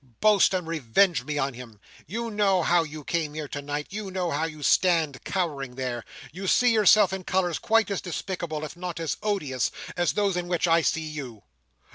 Boast, and revenge me on him! You know how you came here tonight; you know how you stand cowering there; you see yourself in colours quite as despicable, if not as odious, as those in which I see you.